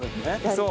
そう。